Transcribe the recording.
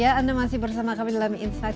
ya anda masih bersama kami dalam insight